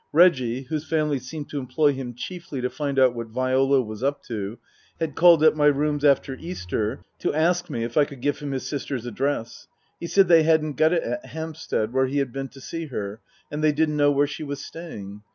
Reggie (whose family seemed to employ him chiefly to find out what Viola was up to) had called at my rooms after Easter to ask me if I could give him his sister's address. He said they hadn't got it at Hampstead, where he had been to see her, and they didn't know where she was staying.